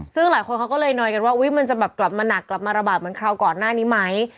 ซึ่งหลายคนเขาก็เลยนอยกันว่ามันจะแบบกลับมาหนักกลับมาระบาดเหมือนคราวก่อนหน้านี้ไหม